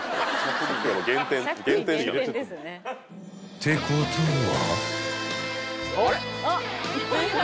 ［ってことは］